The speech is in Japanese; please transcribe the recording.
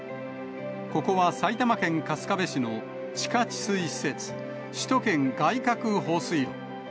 ここは埼玉県春日部市の地下治水施設、首都圏外郭放水路。